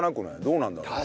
どうなんだろう？